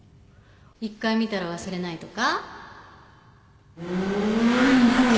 １回見たら忘れないとか？